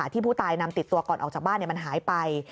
ที่ผู้ตายนำติดตัวก่อนออกจากบ้านมันหายไป